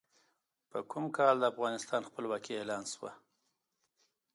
په کوم کال کې د افغانستان خپلواکي اعلان شوه؟